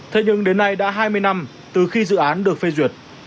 thế nhưng đến nay đã hai mươi năm từ khi dự án được phê duyệt